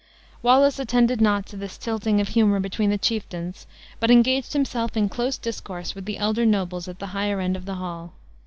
Wallace attended not to this tilting of humor between the chieftains, but engaged himself in close discourse with the elder nobles at the higher end of the hall.